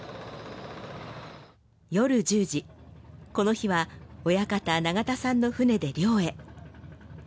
夜１０時この日は親方長田さんの船で漁へ。